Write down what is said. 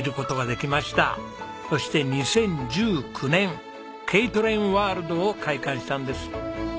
そして２０１９年Ｋトレインワールドを開館したんです。